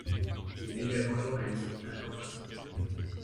Il est également journaliste à temps partiel.